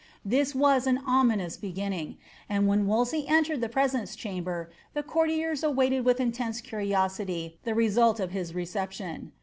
This was an ominous beginning; and when Wolsey entered the pre«ence chamber, the courtiers awaited with intense curiosity the mnlt of his reception.